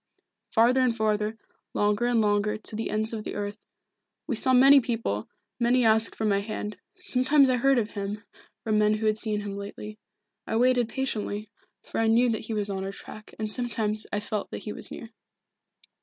Farther and farther, longer and longer, to the ends of the earth. We saw many people, many asked for my hand. Sometimes I heard of him, from men who had seen him lately. I waited patiently, for I knew that he was on our track, and sometimes I felt that he was near."